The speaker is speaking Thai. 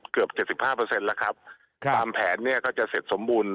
เกือบเจ็บสิบห้าเปอร์เซ็นต์แล้วครับครับตามแผนเนี่ยก็จะเสร็จสมบูรณ์